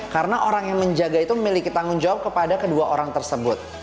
karena orang yang menjaga itu memiliki tanggung jawab kepada kedua orang tersebut